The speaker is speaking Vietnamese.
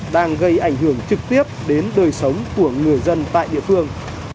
đang gây ảnh hưởng trực tiếp đến đời sống của người dân tại địa phương